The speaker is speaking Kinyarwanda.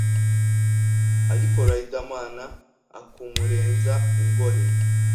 ariko Ridermana akumurenza ingohe